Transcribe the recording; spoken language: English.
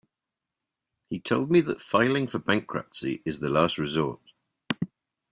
He told me that filing for bankruptcy is the last resort.